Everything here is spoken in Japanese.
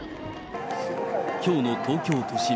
きょうの東京都心。